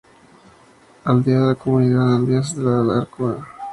Aldea de la Comunidad de Aldeas de Daroca.